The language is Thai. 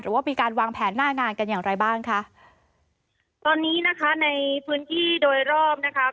ว่ามีการวางแผนหน้างานกันอย่างไรบ้างคะตอนนี้นะคะในพื้นที่โดยรอบนะคะ